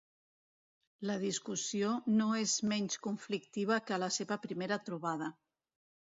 La discussió no és menys conflictiva que a la seva primera trobada.